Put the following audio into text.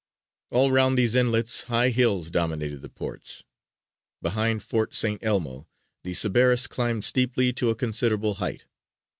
All round these inlets high hills dominated the ports. Behind Fort St. Elmo, the Sceberras climbed steeply to a considerable height.